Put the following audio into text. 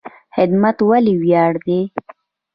خدمت ولې ویاړ دی؟